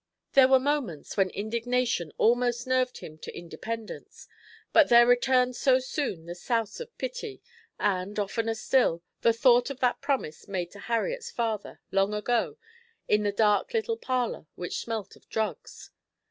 There were moments when indignation almost nerved him to independence, but there returned so soon the souse of pity, and, oftener still, the thought of that promise made to Harriet's father, long ago, in the dark little parlour which smelt of drugs.